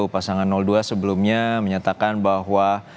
pasangan dua sebelumnya menyatakan bahwa